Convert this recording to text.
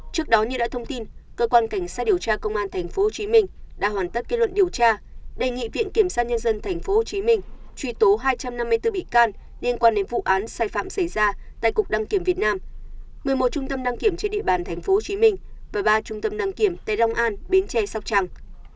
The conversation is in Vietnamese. trước đó như đã thông tin cơ quan cảnh sát điều tra công an tp hcm đã hoàn tất kết luận điều tra đề nghị viện kiểm sát nhân dân tp hcm truy tố hai trăm năm mươi bốn bị can liên quan đến vụ án sai phạm xảy ra tại cục đăng kiểm việt nam một mươi một trung tâm đăng kiểm trên địa bàn tp hcm và ba trung tâm đăng kiểm tại long an bến tre sóc trăng